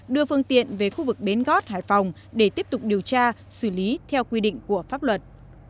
đưa phương tiện về khu vực bến gót hải phòng để tiếp tục điều tra xử lý theo quy định của pháp luật